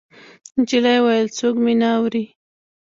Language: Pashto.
نجلۍ وويل: څوک مې نه اوري.